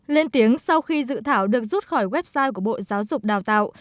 lên tiếng sau khi dự thảo được rút khỏi website của bộ giáo dục đào tạo